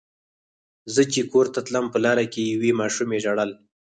زه چې کور ته تلم په لاره کې یوې ماشومې ژړل.